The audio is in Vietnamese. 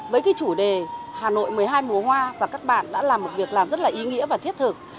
với cái chủ đề hà nội một mươi hai mùa hoa và các bạn đã là một việc làm rất là ý nghĩa và thiết thực